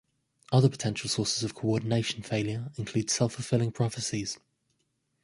Other potential sources of coordination failure include self-fulfilling prophecies.